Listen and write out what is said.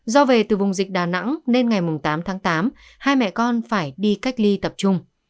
do về từ vùng dịch đà nẵng nên ngày tám tháng tám hai mẹ con phải đi cách ly tập trung